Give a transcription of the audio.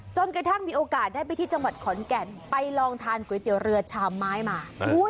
จนกระทั่งมีโอกาสได้ไปที่จังหวัดขอนแก่นไปลองทานก๋วยเตี๋ยวเรือชามไม้มา